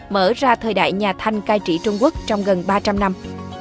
mở ra thời đại nhà thanh cai trị trung quốc trong gần ba trăm linh năm